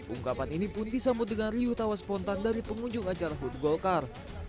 ungkapan ini pun disambut dengan riuh tawa spontan dari pengunjung acara hut golkar